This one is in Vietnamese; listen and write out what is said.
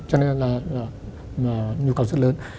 cho nên là nhu cầu rất lớn